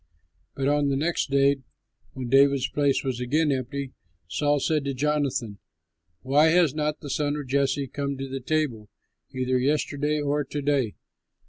But on the next day when David's place was again empty, Saul said to Jonathan, "Why has not the son of Jesse come to the table, either yesterday or to day?"